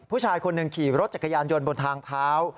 ผู้ชายคนหนึ่งขี่รถจักรยานยนต์บนทางเท้า